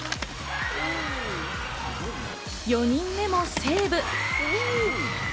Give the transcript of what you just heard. ４人目もセーブ。